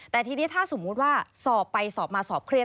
แต่ทีนี้ถ้าสมมุติว่าสอบไปสอบมาสอบเครียด